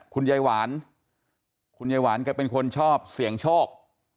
คุณยายหวานคุณยายหวานแกเป็นคนชอบเสี่ยงโชค